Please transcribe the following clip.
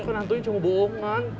kan hantu nya cuma boongan